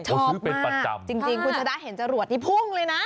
ชอบมากจริงคุณจะได้เห็นจรวดที่พุ่งเลยนะ